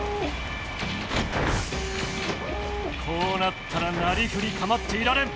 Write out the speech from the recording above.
こうなったらなりふりかまっていられん！